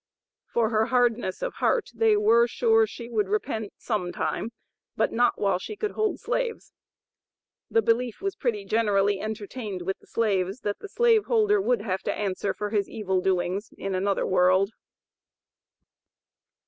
For her hardness of heart they were sure she would repent some time, but not while she could hold slaves. The belief was pretty generally entertained with the slaves that the slaveholder would have to answer for his evil doings in another world.